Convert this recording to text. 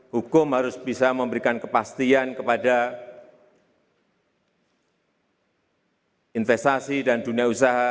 hukum harus bisa memberikan kepastian kepada investasi dan dunia usaha